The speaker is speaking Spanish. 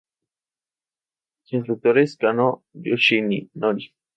Su instructor es Kano Yoshinori.